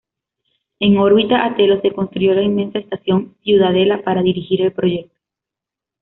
En órbita a Telos, se construyó la inmensa Estación Ciudadela para dirigir el proyecto.